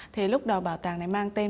thì lúc đầu bảo tàng này mang tên